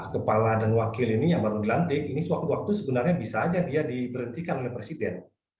kepala dan wakil ini yang baru dilantik ini sewaktu waktu sebenarnya bisa saja dia diberhentikan oleh presiden